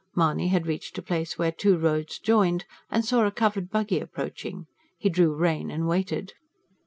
Mahony had reached a place where two roads joined, and saw a covered buggy approaching. He drew rein and waited.